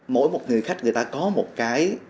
mỗi một người khách người ta có một cái